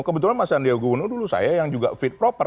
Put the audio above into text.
kebetulan mas sandiaga uno dulu saya yang juga fit proper